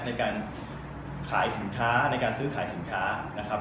ในการขายสินค้าในการซื้อขายสินค้านะครับ